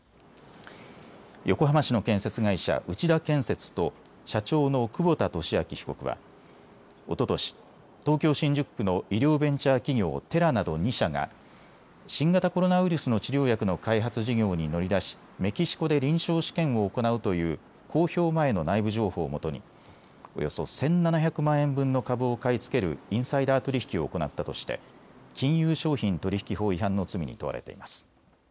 横浜市の建設会社内田建設と社長の久保田俊明被告はおととし、東京新宿区の医療ベンチャー企業、テラなど２社が新型コロナウイルスの治療薬の開発事業に乗り出しメキシコで臨床試験を行うという公表前の内部情報をもとにおよそ１７００万円分の株を買い付けるインサイダー取引を行ったとして金融商品取引法違反の罪に問われています。